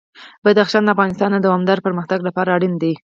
بدخشان د افغانستان د دوامداره پرمختګ لپاره اړین دي.